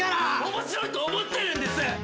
面白いと思ってるんです！